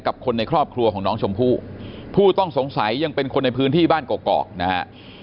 คนในครอบครัวของน้องชมพู่ผู้ต้องสงสัยยังเป็นคนในพื้นที่บ้านกอกนะฮะ